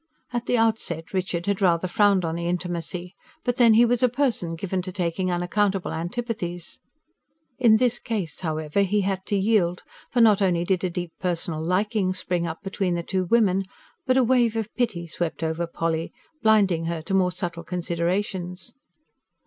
At the outset Richard had rather frowned on the intimacy but then he was a person given to taking unaccountable antipathies. In this case, however, he had to yield; for not only did a deep personal liking spring up between the two women, but a wave of pity swept over Polly, blinding her to more subtle considerations.